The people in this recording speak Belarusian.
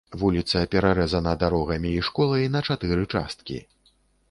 Вуліца перарэзана дарогамі і школай на чатыры часткі.